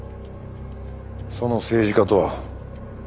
その政治家とは？